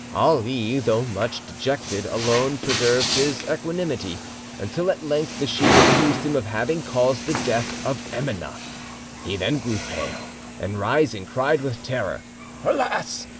Ali, though much dejected, alone preserved his equanimity, until at length the sheik accused him of having caused the death of Emineh. He then grew pale, and rising, cried with terror: "Alas!